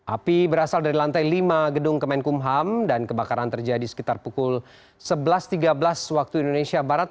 api berasal dari lantai lima gedung kemenkumham dan kebakaran terjadi sekitar pukul sebelas tiga belas waktu indonesia barat